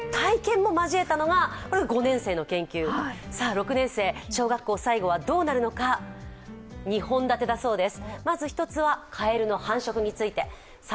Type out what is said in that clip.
６年生、小学校最後はどうなるのか、２本立てだそうです。